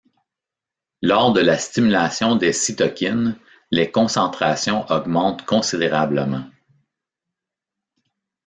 Lors de la stimulation des cytokines, les concentrations augmentent considérablement.